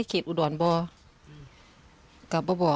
ของ